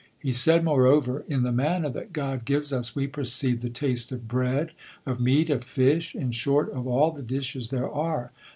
He said, moreover, "In the manna that God gives us we perceive the taste of bread, of meat, of fish, in short, of all the dishes there are.